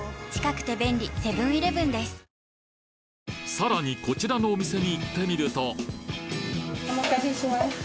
さらにこちらのお店に行ってみるとお待たせしました。